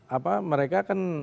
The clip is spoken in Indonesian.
apa mereka kan